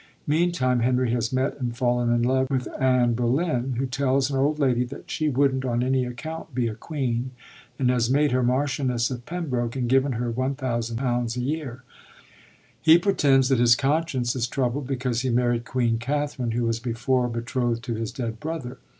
Meantime, Henry has met and fallen in love with Anne Bullen— who tells an old lady that she wouldn't on any account be a queen — and has made her Marchioness of Pembroke and given her £1,000 a year. He pretends that his conscience is troubled because he married Queen Katharine who was before betrothd to his dead brother.